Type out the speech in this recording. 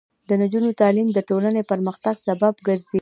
د نجونو تعلیم د ټولنې پرمختګ سبب ګرځي.